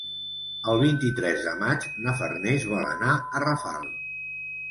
El vint-i-tres de maig na Farners vol anar a Rafal.